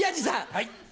はい。